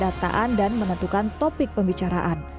dengan pendataan dan menentukan topik pembicaraan